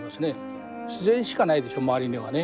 自然しかないでしょ周りにはね。